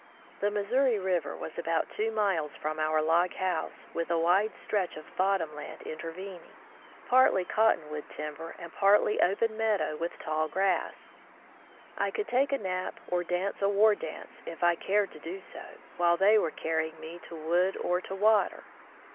The Missouri River was about two miles from om* log house, with a wide stretch of bottom land intervening, partly cottonwood timber and partly open 4S From the Deep Woods to Civilization meadow with tall grass. I could take a nap, or dance a war dance, if I cared to do so, while they were carrying me to wood or to water.